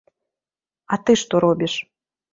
А ты што робіш?